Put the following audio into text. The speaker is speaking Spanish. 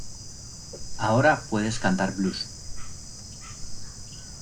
Ahora puedes cantar blues.